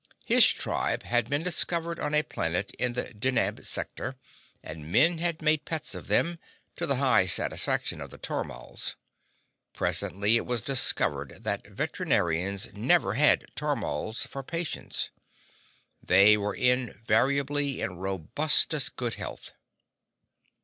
His tribe had been discovered on a planet in the Deneb sector, and men had made pets of them, to the high satisfaction of the tormals. Presently it was discovered that veterinarians never had tormals for patients. They were invariably in robustuous good health.